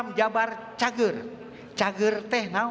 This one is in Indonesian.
makanya kita punya memiliki kemampuan